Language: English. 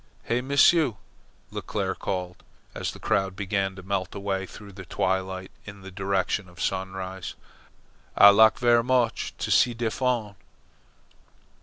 "Heh, M'sieu!" Leclere called, as the crowd began to melt away through the twilight in the direction of Sunrise. "Ah lak ver' moch to see de fon."